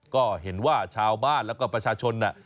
ก็เห็นว่าชาวบ้านแล้วก็ประชาชน